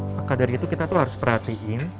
maka dari itu kita tuh harus perhatiin